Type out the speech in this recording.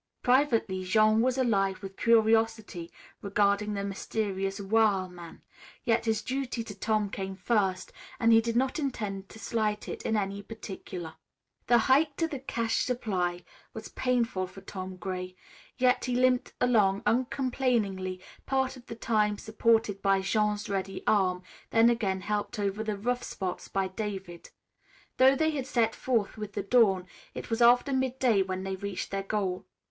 Privately Jean was alive with curiosity regarding the mysterious "wil' man," yet his duty to Tom came first and he did not intend to slight it in any particular. The hike to the cachéd supplies was painful for Tom Gray, yet he limped along uncomplainingly, part of the time supported by Jean's ready arm; then again helped over the rough spots by David. Though they had set forth with the dawn, it was after mid day when they reached their goal.